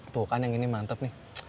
tuh kan yang ini mantep nih